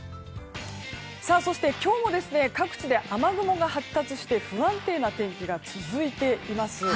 そして今日も各地で雨雲が発達して不安定な天気が続いています。